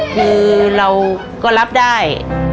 คือเราก็รับได้